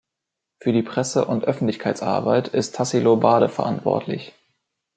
Für die Presse- und Öffentlichkeitsarbeit ist Tassilo Bade verantwortlich.